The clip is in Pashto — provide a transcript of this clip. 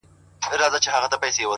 ه مړ او ځوانيمرگ دي سي ـ